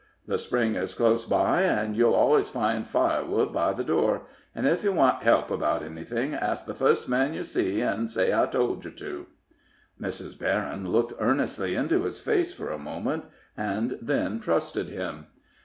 The spring is close by, an' you'll allers find firewood by the door. An' ef yer want help about anythin', ask the fust man yer see, and say I told yer to." Mrs. Berryn looked earnestly into his face for a moment, and then trusted him.